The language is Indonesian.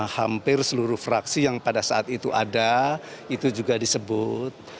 hampir seluruh fraksi yang pada saat itu ada itu juga disebut